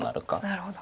なるほど。